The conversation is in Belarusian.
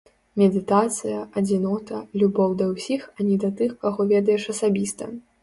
Медытацыя, адзінота, любоў да ўсіх, а не да тых, каго ведаеш асабіста.